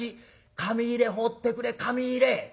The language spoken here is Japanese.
紙入れ放ってくれ紙入れ！」。